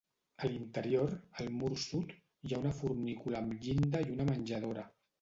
A l'interior, al mur sud, hi ha una fornícula amb llinda i una menjadora.